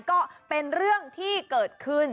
ก็เป็นเรื่องที่เกิดขึ้น